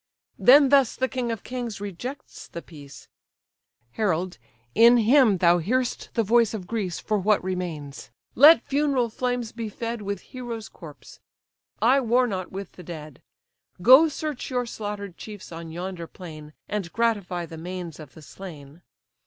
Then thus the king of kings rejects the peace: "Herald! in him thou hear'st the voice of Greece For what remains; let funeral flames be fed With heroes' corps: I war not with the dead: Go search your slaughtered chiefs on yonder plain, And gratify the manes of the slain.